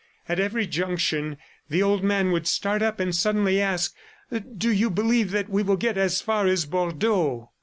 At every junction, the old man would start up and suddenly ask, "Do you believe that we will get as far as Bordeaux?"